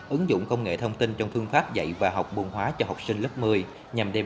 ứng dụng công nghệ thông tin trong phương pháp dạy và học buồn hóa cho học sinh lớp một mươi nhằm đem